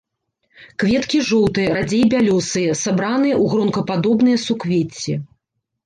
Кветкі жоўтыя, радзей бялёсыя, сабраныя ў гронкападобныя суквецці.